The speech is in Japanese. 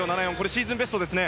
シーズンベストですね。